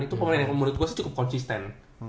itu pemain yang menurut gue sih cukup konsisten